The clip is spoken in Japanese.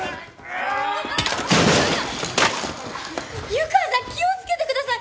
湯川さん気を付けてください！